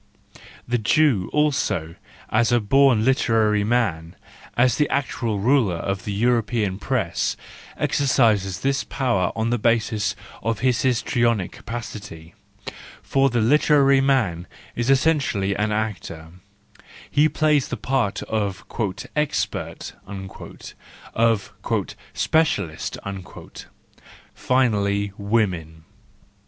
The Jew also, as a born literary man, as the actual ruler of the European press, exercises this power on the basis of his histrionic capacity: for the literary man is essentially an actor, — he plays the part of " expert," of " specialist." — Finally women